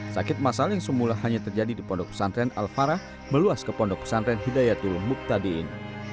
sakit masal yang semula hanya terjadi di pondok pesantren al farah meluas ke pondok pesantren hidayatul muktadiin